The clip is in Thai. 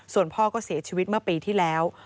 ส่วนพ่อก็เสียชีวิตเมื่อปีที่แล้ว